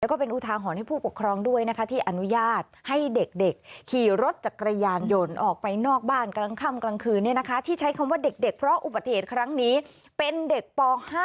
แล้วก็เป็นอุทาหรณ์ให้ผู้ปกครองด้วยนะคะที่อนุญาตให้เด็กขี่รถจักรยานยนต์ออกไปนอกบ้านกลางค่ำกลางคืนที่ใช้คำว่าเด็กเพราะอุบัติเหตุครั้งนี้เป็นเด็กป๕